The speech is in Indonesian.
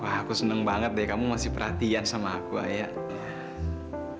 wah aku seneng banget deh kamu masih perhatian sama aku ayah